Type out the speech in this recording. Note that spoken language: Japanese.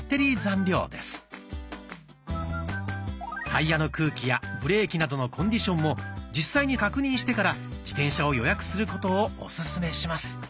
タイヤの空気やブレーキなどのコンディションも実際に確認してから自転車を予約することをオススメします。